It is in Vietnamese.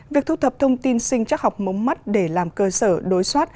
việc thu thập thông tin sinh chắc học mống mắt để làm cơ sở đối soát